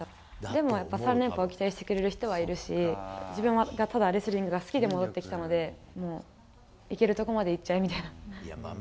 でもやっぱ、３連覇を期待してくれる人はいるし、自分はただレスリングが好きで戻ってきたので、もういけるところまでいっちゃえみたいな。